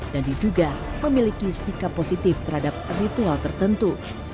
dan diduga memiliki sikap positif terhadap ritual tertentu